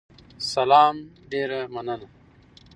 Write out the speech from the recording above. سلام، ډیره مننه